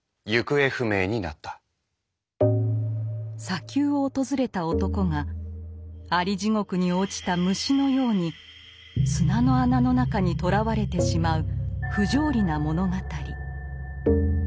砂丘を訪れた男がアリ地獄に落ちた虫のように砂の穴の中にとらわれてしまう不条理な物語。